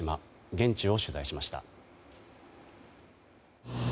現地を取材しました。